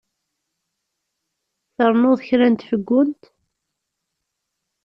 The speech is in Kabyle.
Trennuḍ kra n tfeggunt?